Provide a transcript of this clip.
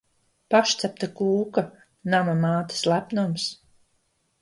Pašcepta kūka! Nama mātes lepnums!